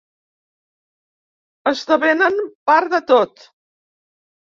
Esdevenen part de tot...